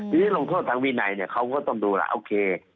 ทีนี้ลงโทษทางวินัยเนี่ยเขาก็ต้องดูแล้วโอเค